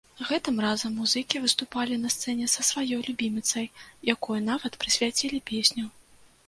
Гэтым разам музыкі выступалі на сцэне са сваёй любіміцай, якой нават прысвяцілі песню.